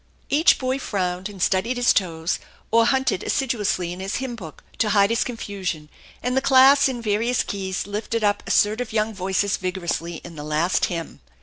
Each boy frowned and studied his toes, or hunted Assiduously in his hymn book to hide his confusion, and the class in various keys lifted up assertive young voices vigor ously in the last hymn.